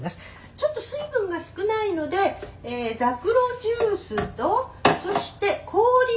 「ちょっと水分が少ないのでザクロジュースとそして氷を入れます」